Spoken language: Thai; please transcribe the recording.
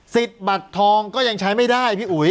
บัตรทองก็ยังใช้ไม่ได้พี่อุ๋ย